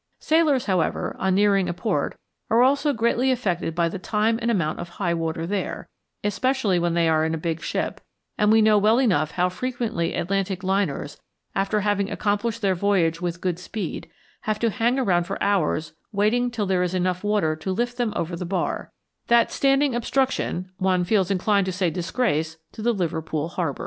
Sailors, however, on nearing a port are also greatly affected by the time and amount of high water there, especially when they are in a big ship; and we know well enough how frequently Atlantic liners, after having accomplished their voyage with good speed, have to hang around for hours waiting till there is enough water to lift them over the Bar that standing obstruction, one feels inclined to say disgrace, to the Liverpool harbour.